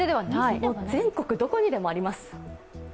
全国どこにでもあります。